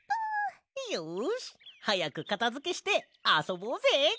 よしはやくかたづけしてあそぼうぜ！